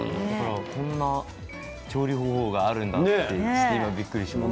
いろんな調理方法があるんだと思ってびっくりしました。